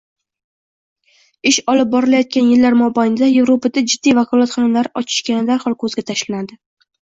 ish olib borilayotgan yillar mobaynida Yevropada jiddiy vakolatxonalar ochishgani darhol ko‘zga tashlanadi.